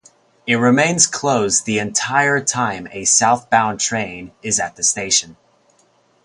It remains closed the entire time a southbound train is at the station.